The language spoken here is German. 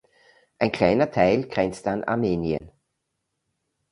Ein kleiner Teil grenzt an Armenien.